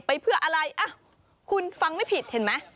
ไปเพื่ออะไรคุณฟังไม่ผิดเห็นไหม